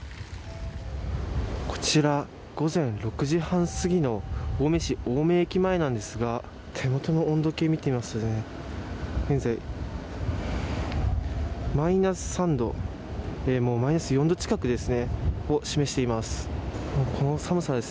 こちら午前６時半すぎの青梅市青梅駅前なんですが手元の温度計見てみますと現在、マイナス３度マイナス４度近くを示しています。